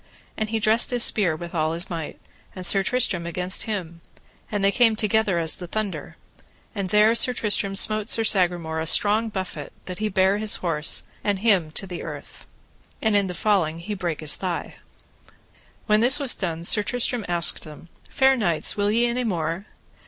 And he dressed his spear with all his might, and Sir Tristram against him, and they came together as the thunder, and there Sir Tristram smote Sir Sagramore a strong buffet, that he bare his horse and him to the earth, and in the falling he brake his thigh. When this was done Sir Tristram asked them: Fair knights, will ye any more?